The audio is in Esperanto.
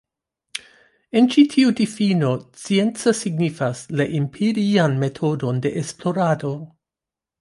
En ĉi tiu difino, scienca signifas la empirian metodon de esplorado.